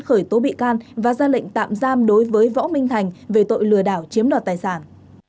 khởi tố bị can và ra lệnh tạm giam đối với võ minh thành về tội lừa đảo chiếm đoạt tài sản